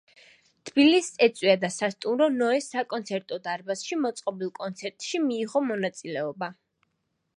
თბილისს ეწვია და სასტუმრო „ნოეს“ საკონცერტო დარბაზში მოწყობილ კონცერტში მიიღო მონაწილეობა.